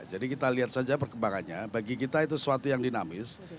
jadi kita lihat saja perkembangannya bagi kita itu sesuatu yang dinamis